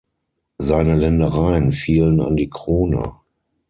Seine Ländereien fielen an die Krone.